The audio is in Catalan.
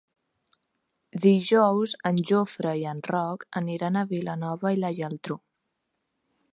Dijous en Jofre i en Roc aniran a Vilanova i la Geltrú.